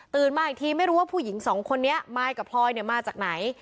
มาอีกทีไม่รู้ว่าผู้หญิงสองคนนี้มายกับพลอยเนี่ยมาจากไหน